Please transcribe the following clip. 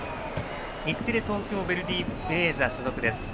日テレ・東京ヴェルディベレーザ所属です。